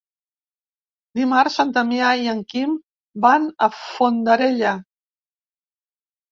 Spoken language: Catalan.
Dimarts en Damià i en Quim van a Fondarella.